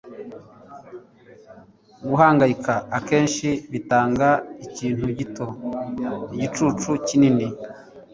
Guhangayika akenshi bitanga ikintu gito igicucu kinini.”